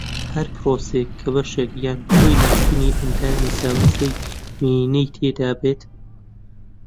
ھەر پرۆسەیەک کە بەشێک یان کۆی لاچوونی ئەندامی زاوزێی مێینەی تێدا بێت